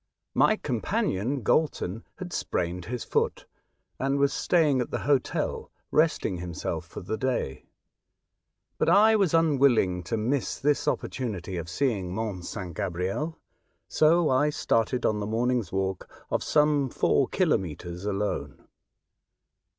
My companion, Galton, had sprained his foot, and was staying at the hotel resting himself for the day, but I was unwilling to miss this opportunity of seeing Mont St. Gabriel; so I started on the morning's walk of some four kilometres alone.